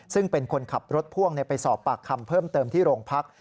ซึ่งเป็นคนขับรถพ่วงไปสอบปากคำเพิ่มเติมที่โรงพัก